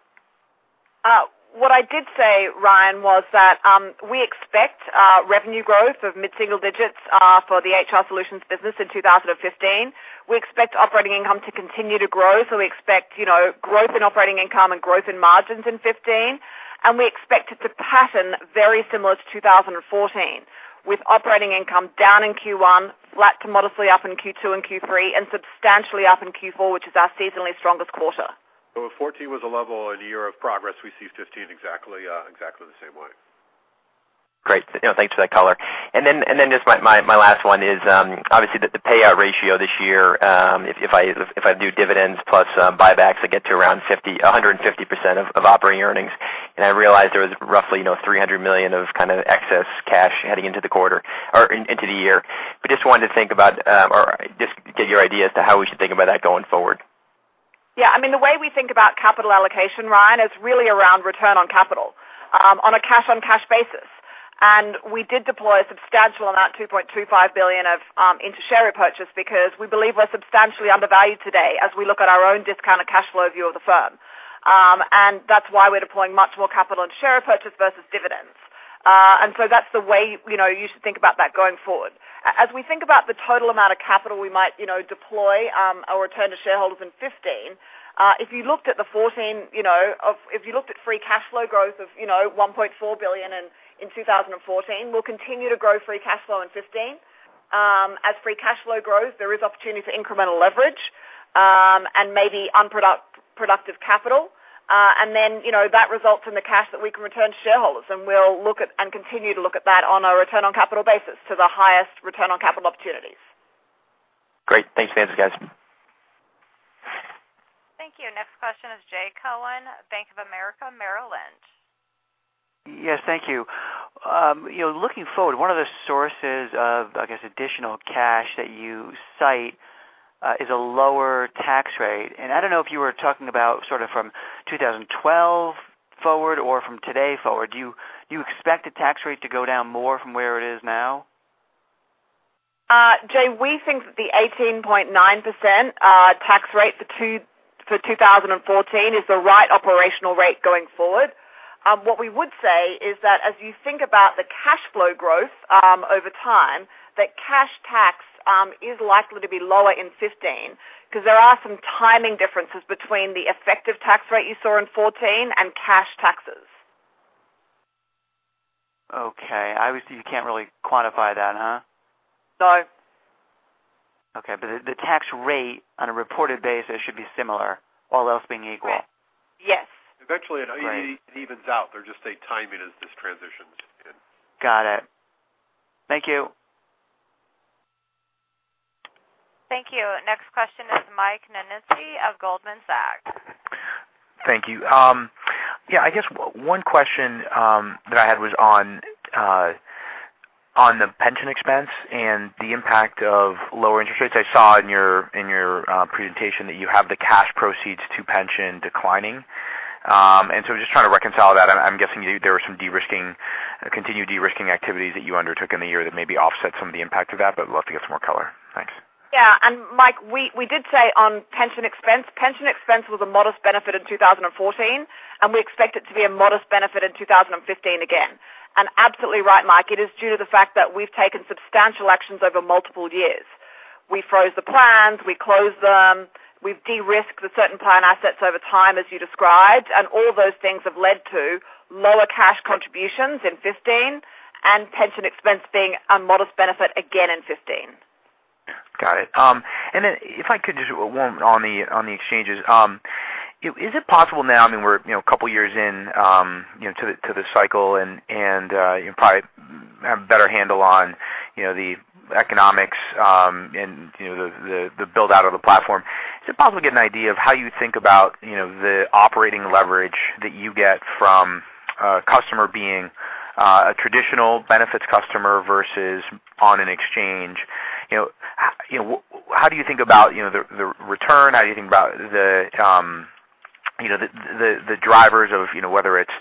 What I did say, Ryan, was that we expect revenue growth of mid-single digits for the HR Solutions business in 2015. We expect operating income to continue to grow. We expect growth in operating income and growth in margins in 2015, and we expect it to pattern very similar to 2014, with operating income down in Q1, flat to modestly up in Q2 and Q3, and substantially up in Q4, which is our seasonally strongest quarter. If 2014 was a level and year of progress, we see 2015 exactly the same way. Great. Thanks for that color. Just my last one is, obviously the payout ratio this year, if I do dividends plus buybacks, I get to around 150% of operating earnings, and I realize there was roughly $300 million of excess cash heading into the year. We just wanted to get your idea as to how we should think about that going forward. Yeah. The way we think about capital allocation, Ryan, is really around return on capital on a cash-on-cash basis. We did deploy a substantial amount, $2.25 billion into share repurchases because we believe we're substantially undervalued today as we look at our own discounted cash flow view of the firm. That's why we're deploying much more capital in share repurchases versus dividends. That's the way you should think about that going forward. As we think about the total amount of capital we might deploy our return to shareholders in 2015, if you looked at free cash flow growth of $1.4 billion in 2014, we'll continue to grow free cash flow in 2015. As free cash flow grows, there is opportunity for incremental leverage, and maybe unproductive capital. That results in the cash that we can return to shareholders, we'll look at and continue to look at that on a return on capital basis to the highest return on capital opportunities. Great. Thanks for the answers, guys. Thank you. Next question is Jay Cohen, Bank of America, Merrill Lynch. Yes, thank you. Looking forward, one of the sources of, I guess, additional cash that you cite is a lower tax rate. I don't know if you were talking about from 2012 forward or from today forward. Do you expect the tax rate to go down more from where it is now? Jay, we think that the 18.9% tax rate for 2014 is the right operational rate going forward. What we would say is that as you think about the cash flow growth over time, that cash tax is likely to be lower in 2015 because there are some timing differences between the effective tax rate you saw in 2014 and cash taxes. Okay. Obviously, you can't really quantify that, huh? No. Okay, the tax rate on a reported basis should be similar, all else being equal. Yes. Eventually it evens out. There's just a timing as this transitions. Got it. Thank you. Thank you. Next question is Michael Nannizzi of Goldman Sachs. Thank you. Yeah, I guess one question that I had was on the pension expense and the impact of lower interest rates. I saw in your presentation that you have the cash proceeds to pension declining. Just trying to reconcile that. I'm guessing there were some continued de-risking activities that you undertook in the year that maybe offset some of the impact of that, I'd love to get some more color. Thanks. Yeah. Mike, we did say on pension expense, pension expense was a modest benefit in 2014, and we expect it to be a modest benefit in 2015 again. Absolutely right, Mike. It is due to the fact that we've taken substantial actions over multiple years. We froze the plans, we closed them, we've de-risked the certain plan assets over time, as you described, and all those things have led to lower cash contributions in 2015 and pension expense being a modest benefit again in 2015. Got it. If I could just one on the exchanges. Is it possible now, we're a couple of years in to the cycle and you probably have a better handle on the economics and the build-out of the platform. Just probably get an idea of how you think about the operating leverage that you get from a customer being a traditional benefits customer versus on an exchange. How do you think about the return? How do you think about the drivers of whether it's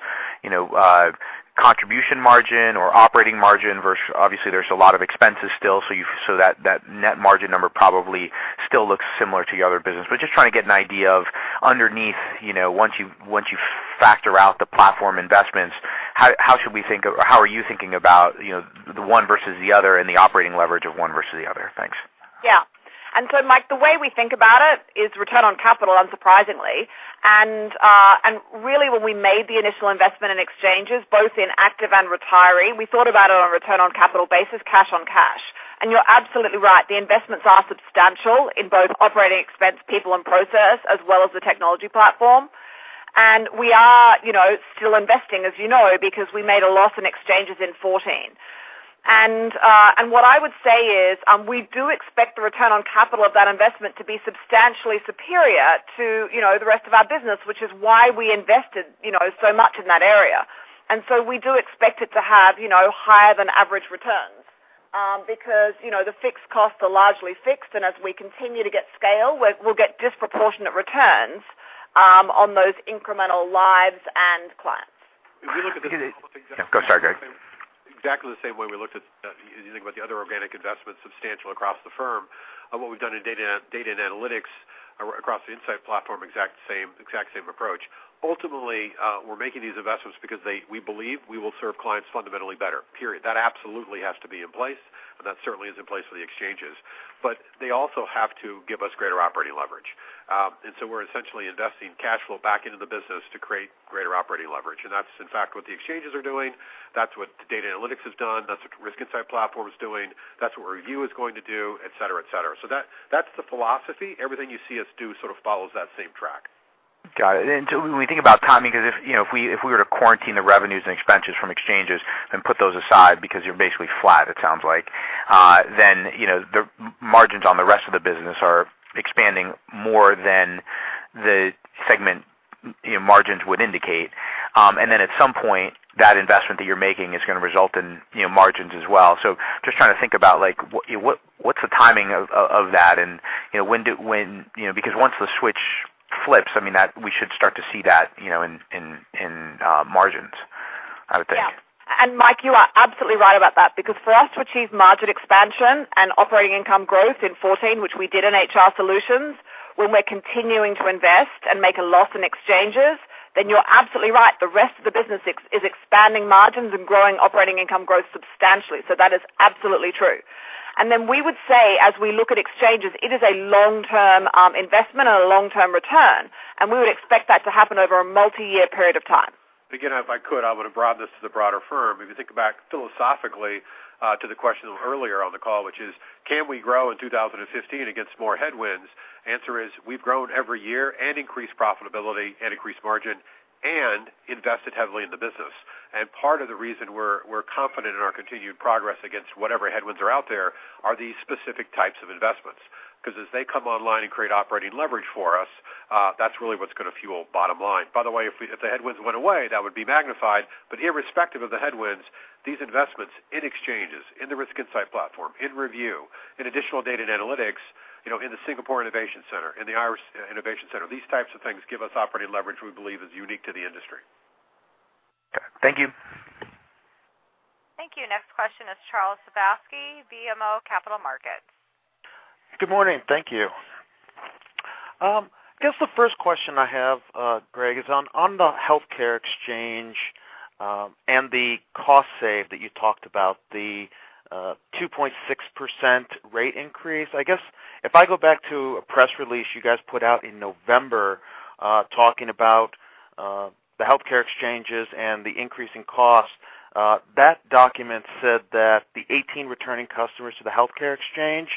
contribution margin or operating margin versus obviously there's a lot of expenses still, so that net margin number probably still looks similar to your other business. Just trying to get an idea of underneath, once you factor out the platform investments, how are you thinking about the one versus the other and the operating leverage of one versus the other? Thanks. Yeah. Mike, the way we think about it is return on capital, unsurprisingly. Really when we made the initial investment in exchanges, both in active and retiree, we thought about it on a return on capital basis, cash on cash. You're absolutely right. The investments are substantial in both operating expense people and process as well as the technology platform. We are still investing, as you know, because we made a loss in exchanges in 2014. What I would say is we do expect the return on capital of that investment to be substantially superior to the rest of our business, which is why we invested so much in that area. We do expect it to have higher than average returns because the fixed costs are largely fixed, and as we continue to get scale, we'll get disproportionate returns on those incremental lives and clients. If you look at this- Yeah, go. Sorry, Greg. Exactly the same way we looked at using with the other organic investments substantial across the firm, what we've done in data and analytics across the Insight Platform, exact same approach. Ultimately, we're making these investments because we believe we will serve clients fundamentally better, period. That absolutely has to be in place, and that certainly is in place for the exchanges. They also have to give us greater operating leverage. We're essentially investing cash flow back into the business to create greater operating leverage. That's in fact what the exchanges are doing. That's what data analytics has done. That's what Risk Insight Platform is doing. That's what Review is going to do, et cetera. That's the philosophy. Everything you see us do sort of follows that same track. Got it. When we think about timing, because if we were to quarantine the revenues and expenses from exchanges and put those aside because you're basically flat, it sounds like, then the margins on the rest of the business are expanding more than the segment margins would indicate. At some point, that investment that you're making is going to result in margins as well. Just trying to think about what's the timing of that and when, because once the switch flips, we should start to see that in margins, I would think. Yeah. Mike, you are absolutely right about that, because for us to achieve margin expansion and operating income growth in 2014, which we did in HR Solutions, when we're continuing to invest and make a loss in exchanges, you're absolutely right. The rest of the business is expanding margins and growing operating income growth substantially. That is absolutely true. We would say, as we look at exchanges, it is a long-term investment and a long-term return, and we would expect that to happen over a multi-year period of time. Again, if I could, I would have brought this to the broader firm. If you think back philosophically to the question earlier on the call, which is, can we grow in 2015 against more headwinds? The answer is, we've grown every year and increased profitability and increased margin and invested heavily in the business. Part of the reason we're confident in our continued progress against whatever headwinds are out there are these specific types of investments. As they come online and create operating leverage for us, that's really what's going to fuel bottom line. By the way, if the headwinds went away, that would be magnified. Irrespective of the headwinds, these investments in exchanges, in the Risk Insight Platform, in Review, in additional data and analytics, in the Singapore Innovation Center, in the Irish Innovation Center, these types of things give us operating leverage we believe is unique to the industry. Okay. Thank you. Thank you. Next question is Charles Sebaski, BMO Capital Markets. Good morning. Thank you. I guess the first question I have, Greg, is on the health care exchange, and the cost save that you talked about, the 2.6% rate increase. I guess if I go back to a press release you guys put out in November, talking about the health care exchanges and the increase in cost, that document said that the 18 returning customers to the health care exchange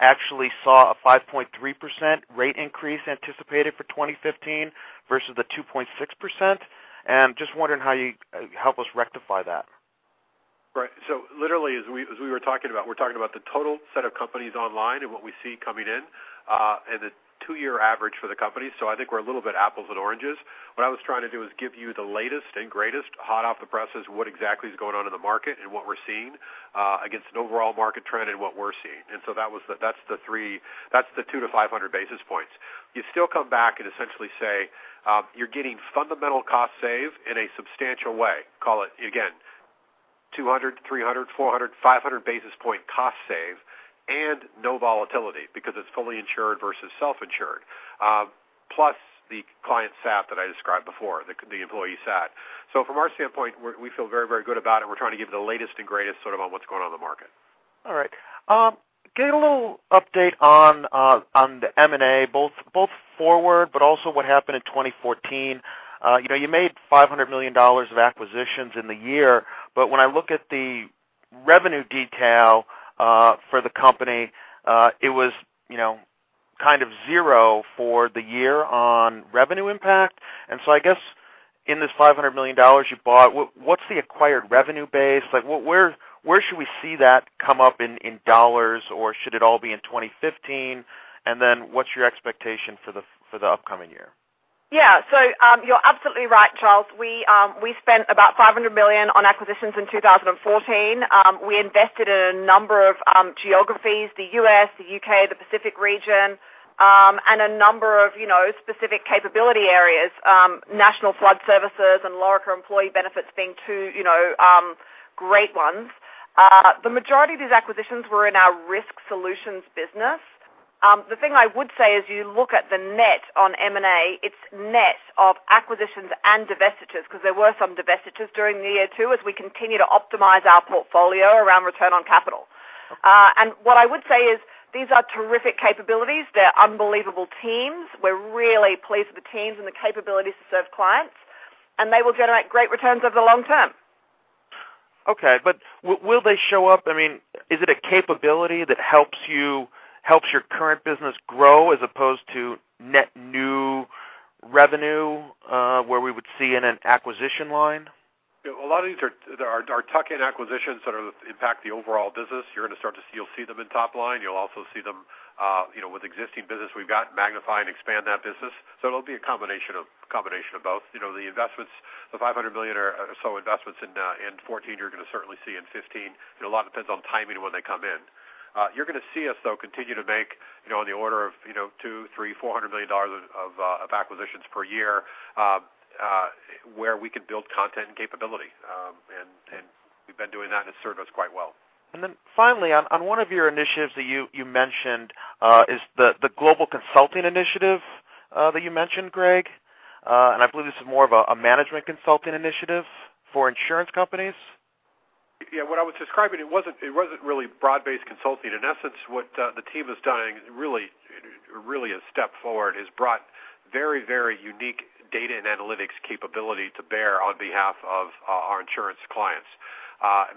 actually saw a 5.3% rate increase anticipated for 2015 versus the 2.6%. Just wondering how you help us rectify that. Right. Literally, as we were talking about, we're talking about the total set of companies online and what we see coming in, and the 2-year average for the company. I think we're a little bit apples and oranges. What I was trying to do is give you the latest and greatest, hot off the press, is what exactly is going on in the market and what we're seeing against an overall market trend and what we're seeing. That's the 2 to 500 basis points. You still come back and essentially say, you're getting fundamental cost save in a substantial way. Call it, again, 200, 300, 400, 500 basis point cost save and no volatility because it's fully insured versus self-insured. Plus the client sat that I described before, the employee sat. From our standpoint, we feel very good about it. We're trying to give the latest and greatest sort of on what's going on in the market. All right. Can I get a little update on the M&A, both forward, but also what happened in 2014? You made $500 million of acquisitions in the year, but when I look at the revenue detail for the company, it was kind of 0 for the year on revenue impact. I guess in this $500 million you bought, what's the acquired revenue base? Where should we see that come up in dollars, or should it all be in 2015? What's your expectation for the upcoming year? Yeah. You're absolutely right, Charles. We spent about $500 million on acquisitions in 2014. We invested in a number of geographies, the U.S., the U.K., the Pacific region, and a number of specific capability areas, National Flood Services and Lorica Employee Benefits being two great ones. The majority of these acquisitions were in our Risk Solutions business. The thing I would say is you look at the net on M&A, it's net of acquisitions and divestitures because there were some divestitures during the year, too, as we continue to optimize our portfolio around return on capital. What I would say is these are terrific capabilities. They're unbelievable teams. We're really pleased with the teams and the capabilities to serve clients, and they will generate great returns over the long term. Okay. Will they show up? Is it a capability that helps your current business grow as opposed to net new revenue, where we would see in an acquisition line? A lot of these are tuck-in acquisitions that impact the overall business. You'll see them in top line. You'll also see them with existing business we've got, magnify and expand that business. It'll be a combination of both. The $500 million or so investments in 2014 you're going to certainly see in 2015. A lot depends on timing when they come in. You're going to see us, though, continue to make on the order of $200, $300, $400 million of acquisitions per year, where we can build content and capability. We've been doing that, and it's served us quite well. Finally, on one of your initiatives that you mentioned is the global consulting initiative that you mentioned, Greg. I believe this is more of a management consulting initiative for insurance companies. What I was describing, it wasn't really broad-based consulting. In essence, what the team is doing really a step forward has brought very unique data and analytics capability to bear on behalf of our insurance clients,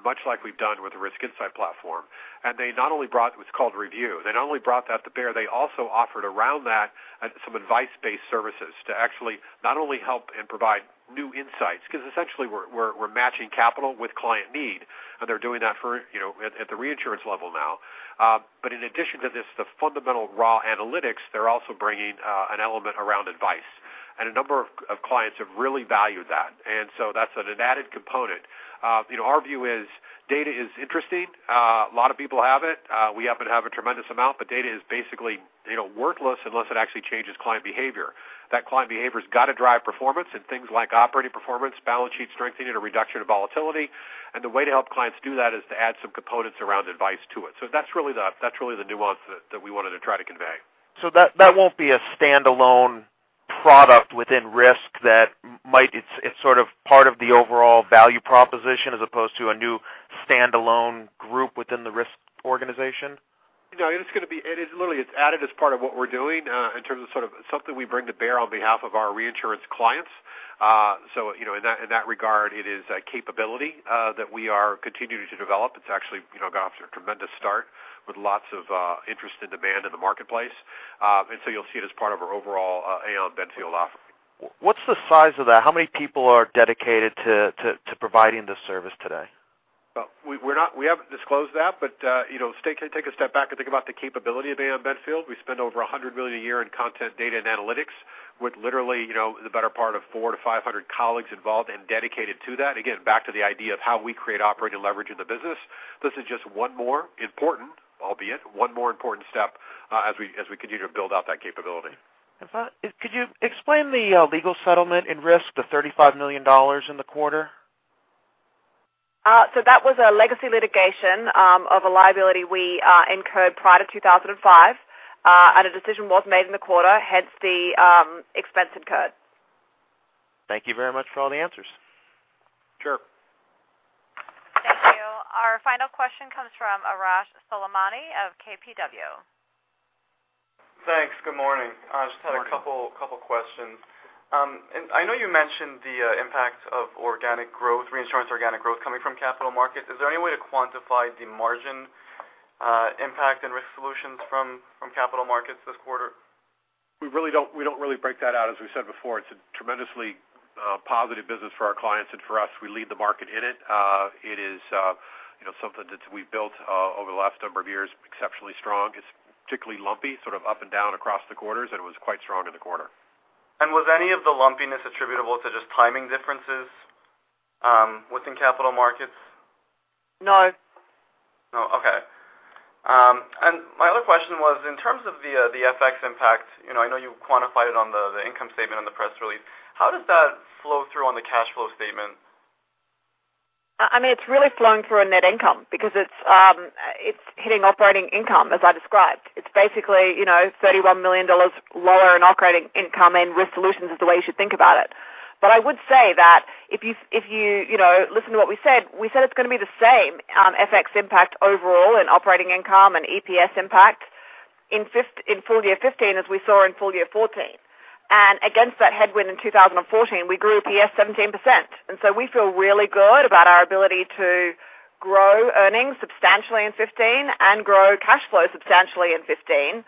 much like we've done with the Risk Insight Platform. It's called Review. They not only brought that to bear, they also offered around that some advice-based services to actually not only help and provide new insights, because essentially we're matching capital with client need, and they're doing that at the reinsurance level now. In addition to this, the fundamental raw analytics, they're also bringing an element around advice. A number of clients have really valued that. That's an added component. Our view is data is interesting. A lot of people have it. We happen to have a tremendous amount, data is basically worthless unless it actually changes client behavior. That client behavior's got to drive performance and things like operating performance, balance sheet strengthening, and a reduction of volatility. The way to help clients do that is to add some components around advice to it. That's really the nuance that we wanted to try to convey. That won't be a standalone product within Risk that it's sort of part of the overall value proposition as opposed to a new standalone group within the Risk organization? No, literally, it's added as part of what we're doing in terms of sort of something we bring to bear on behalf of our reinsurance clients. In that regard, it is a capability that we are continuing to develop. It's actually got off to a tremendous start with lots of interest and demand in the marketplace. You'll see it as part of our overall Aon Benfield offering. What's the size of that? How many people are dedicated to providing this service today? We haven't disclosed that, but take a step back and think about the capability of Aon Benfield. We spend over $100 million a year in content data and analytics with literally the better part of four to 500 colleagues involved and dedicated to that. Again, back to the idea of how we create operating leverage in the business. This is just one more important, albeit, one more important step as we continue to build out that capability. Could you explain the legal settlement in Risk, the $35 million in the quarter? That was a legacy litigation of a liability we incurred prior to 2005. A decision was made in the quarter, hence the expense incurred. Thank you very much for all the answers. Sure. Thank you. Our final question comes from Arash Soleimani of KBW. Thanks. Good morning. Morning. I just had a couple questions. I know you mentioned the impact of reinsurance organic growth coming from capital markets. Is there any way to quantify the margin impact in Risk Solutions from capital markets this quarter? We don't really break that out. As we said before, it's a tremendously positive business for our clients and for us. We lead the market in it. It is something that we've built over the last number of years exceptionally strong. It's particularly lumpy, sort of up and down across the quarters. It was quite strong in the quarter. Was any of the lumpiness attributable to just timing differences within capital markets? No. No. Okay. My other question was, in terms of the FX impact, I know you quantified it on the income statement on the press release. How does that flow through on the cash flow statement? It's really flowing through our net income because it's hitting operating income, as I described. It's basically $31 million lower in operating income and Risk Solutions is the way you should think about it. I would say that if you listen to what we said, we said it's going to be the same FX impact overall in operating income and EPS impact in full year 2015 as we saw in full year 2014. Against that headwind in 2014, we grew EPS 17%. We feel really good about our ability to grow earnings substantially in 2015 and grow cash flow substantially in 2015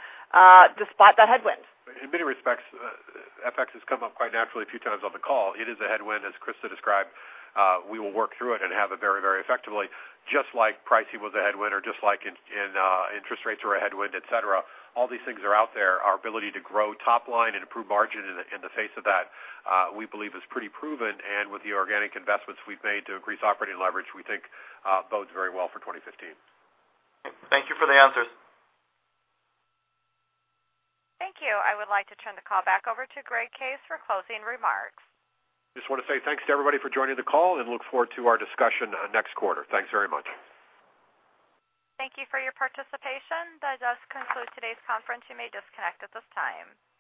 despite that headwind. In many respects, FX has come up quite naturally a few times on the call. It is a headwind, as Christa described. We will work through it and have it very effectively, just like pricing was a headwind or just like interest rates are a headwind, et cetera. All these things are out there. Our ability to grow top line and improve margin in the face of that we believe is pretty proven. With the organic investments we've made to increase operating leverage, we think bodes very well for 2015. Thank you for the answers. Thank you. I would like to turn the call back over to Greg Case for closing remarks. Just want to say thanks to everybody for joining the call and look forward to our discussion next quarter. Thanks very much. Thank you for your participation. That does conclude today's conference. You may disconnect at this time.